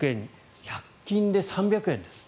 １００均で３００円です。